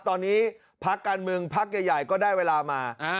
ตอนนี้พักการเมืองพักใหญ่ก็ได้เวลามา